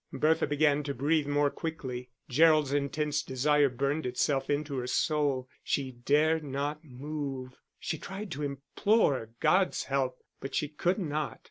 Bertha began to breathe more quickly. Gerald's intense desire burned itself into her soul; she dared not move. She tried to implore God's help, but she could not.